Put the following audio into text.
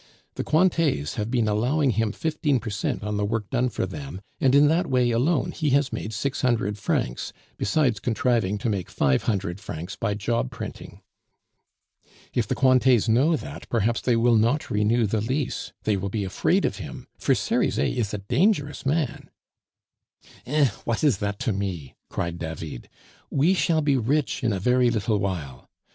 "The Cointets have been allowing him fifteen per cent on the work done for them, and in that way alone he has made six hundred francs, besides contriving to make five hundred francs by job printing." "If the Cointets know that, perhaps they will not renew the lease. They will be afraid of him, for Cerizet is a dangerous man." "Eh! what is that to me!" cried David, "we shall be rich in a very little while.